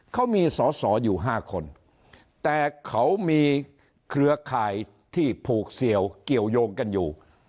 เขามีสอสออยู่๕คนแต่เขามีเครือข่ายที่ผูกเสี่ยวเกี่ยวยงกันอยู่